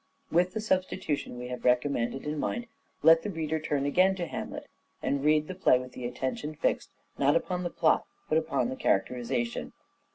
With the substitution we have recommended in mind, let the reader turn again to " Hamlet " and read the play with the attention fixed, not upon the plot, but upon the characterization.